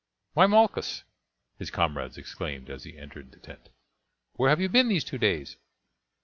"Why, Malchus!" his comrades exclaimed as he entered the tent, "where have you been these two days?